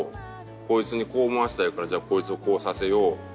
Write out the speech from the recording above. こいつにこう思わせたいからじゃあこいつをこうさせよう。